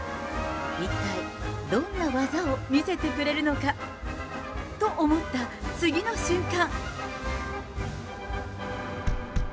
一体、どんな技を見せてくれるのか。と思った次の瞬間。